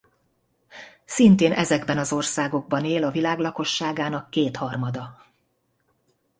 Szintén ezekben az országokban él a világ lakosságának kétharmada.